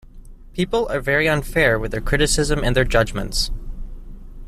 People are very unfair with their criticism and their judgements.